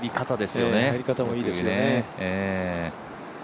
入り方もいいですよね。